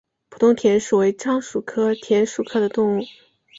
普通田鼠为仓鼠科田鼠属的动物。